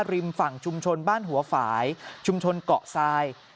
ริมฝั่งชุมชนบ้านหัวฝ่ายชุมชนเกาะทราย